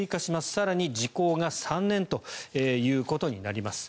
更に、時効が３年ということになります。